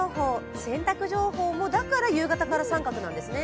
洗濯情報もだから夕方から△なんですね。